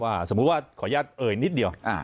สมมุติว่าขออนุญาตเอ่ยนิดเดียว